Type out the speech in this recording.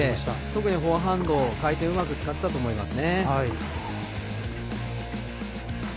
特にフォアハンド回転うまく使ってたと思いますね。